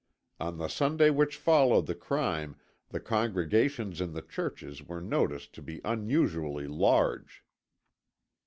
On the Sunday which followed the crime the congregations in the churches were noticed to be unusually large.